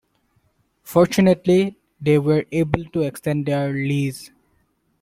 Fortunately, they were able to extend their lease.